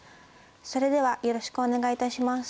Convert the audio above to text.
それではよろしくお願いいたします。